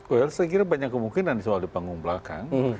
saya kira banyak kemungkinan soal di panggung belakang